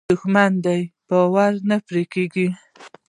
دښمنان دې باور نه پرې کوي.